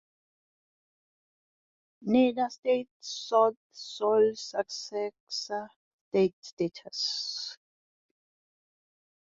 Neither state sought sole successor state status.